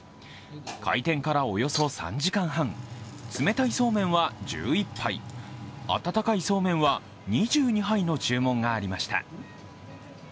開店からおよそ３時間半冷たいそうめんは１１杯、温かいそうめんは２２杯の注文がありました。